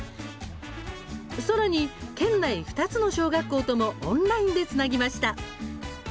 さらに、県内２つの小学校ともオンラインでつなぎました。